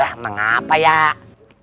mbak tommy ternyata aku sudah keras